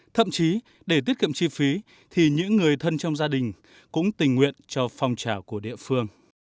thậm chí để tiết kiệm chi phí thì những người thân trong gia đình cũng tình nguyện cho phong trào của địa phương